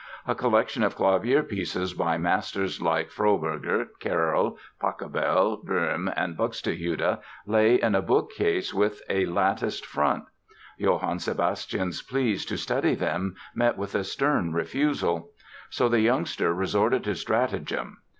A collection of clavier pieces by masters like Froberger, Kerll, Pachelbel, Böhm and Buxtehude, lay in a book case with a latticed front. Johann Sebastian's pleas to study them met with a stern refusal. So the youngster resorted to stratagem.